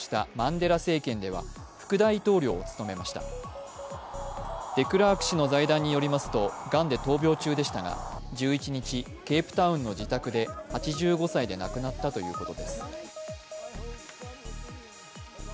デクラーク氏の財団によりますとがんで闘病中でしたが１１日、ケープタウンの自宅で８５歳で亡くなったということです。